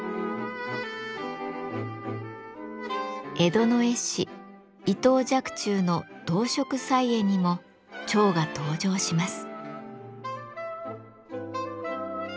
江戸の絵師伊藤若冲の動植綵絵にも蝶が登場します。